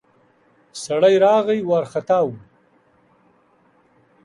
سړی راغی ، وارختا و.